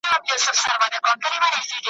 چی ملایې تقصیرونه په اجل ږدي